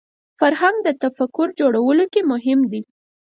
فرهنګ د تفکر جوړولو کې مهم دی